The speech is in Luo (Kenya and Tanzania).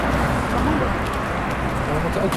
Wamond ekanisa